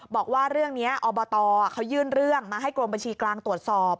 บอกว่าเรื่องนี้อบตเขายื่นเรื่องมาให้กรมบัญชีกลางตรวจสอบ